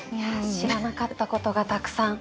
知らなかったことがたくさん。